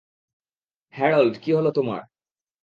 Harold, কি হলো তোমার?